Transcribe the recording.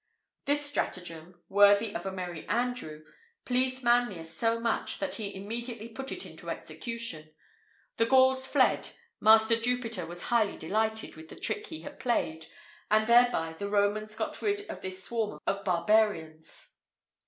This stratagem, worthy of a Merry Andrew, pleased Manlius so much, that he immediately put it into execution. The Gauls fled, Master Jupiter was highly delighted with the trick he had played, and thereby the Romans got rid of this swarm of barbarians.